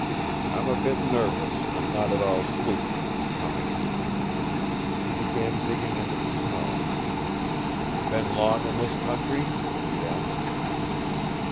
"I'm a bit nervous, and not at all sleepy, Cummings." He began digging into the snow. "Been long in this country?" he asked.